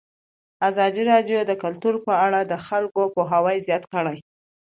ازادي راډیو د کلتور په اړه د خلکو پوهاوی زیات کړی.